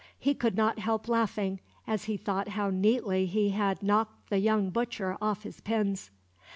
He could not help laughing, as he thought how neatly he had knocked the young butcher off his pins.